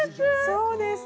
そうです。